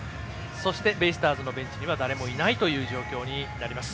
そしてベイスターズのベンチには誰もいないという状況になります。